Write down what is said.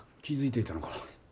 気づいていたのか？